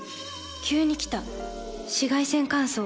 急に来た紫外線乾燥。